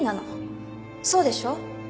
そうでしょ？